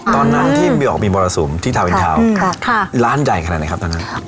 ตอนนั้นที่มีออกมีมรสุมที่ทาวนอินทาวน์ร้านใหญ่ขนาดไหนครับตอนนั้น